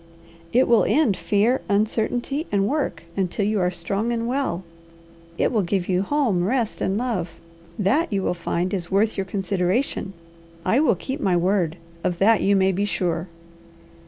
"It will end fear, uncertainty, and work, until you are strong and well. It will give you home, rest, and love, that you will find is worth your consideration. I will keep my word; of that you may be sure."